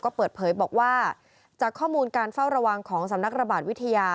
ก็เปิดเผยบอกว่าจากข้อมูลการเฝ้าระวังของสำนักระบาดวิทยา